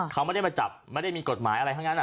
เขาไม่ได้มาจับไม่ได้มีกฎหมายอะไรทั้งนั้น